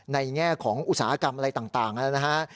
แง่ของอุตสาหกรรมอะไรต่างนะฮะ